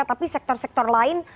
tapi sektor sektor lain